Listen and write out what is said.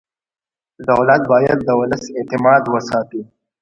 دولت باید د ولس اعتماد وساتي.